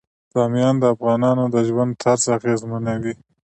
بامیان د افغانانو د ژوند طرز اغېزمنوي.